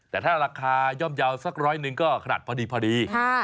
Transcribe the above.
แต่ถ้าราคาย่อมเยาว์สักร้อยหนึ่งก็ขนาดพอดี